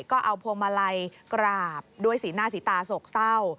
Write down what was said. ก็เอาพวงมาลัยกราบด้วยสีหน้าสีตาโศกเศร้า